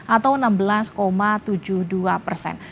atau enam belas tujuh puluh dua persen